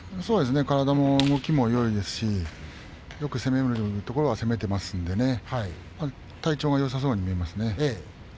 体の動きもいいですしよく攻めるところは攻めていますし体調がよさそうに見えますね。